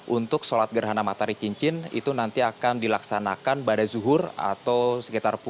untuk sholat gerhana matahari cincin itu nanti akan dilaksanakan pada zuhur atau sekitar pukul